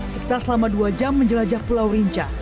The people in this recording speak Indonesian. sekitar selama dua jam menjelajah pulau rinca